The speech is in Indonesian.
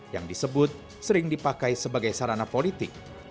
yang disebut sering dipakai sebagai sarana politik